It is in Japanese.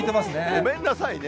ごめんなさいね。